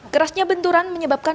kerasnya benturan menyebabkan